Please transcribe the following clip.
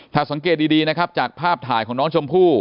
ถ้าสังเกตดีนะครับจากภาพถ่ายของน้องชมพู่